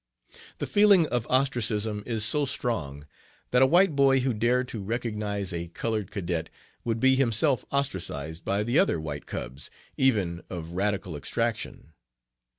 "'The feeling of ostracism is so strong that a white boy who dared to recognize a colored cadet would be himself ostracized by the other white cubs, even of radical extraction.'